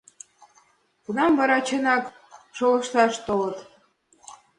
Тунам вара чынак шолышташ толыт.